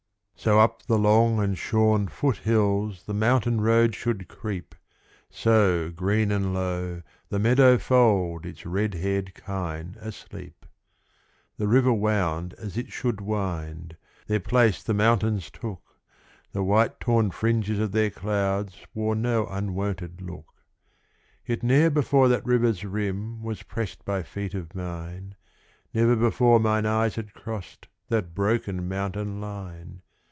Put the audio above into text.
So up the long and shorn foot hills The mountain road should creep; So, green and low, the meadow fold Its red haired kine asleep. The river wound as it should wind; Their place the mountains took; The white torn fringes of their clouds Wore no unwonted look. Yet ne'er before that river's rim Was pressed by feet of mine, Never before mine eyes had crossed That broken mountain line.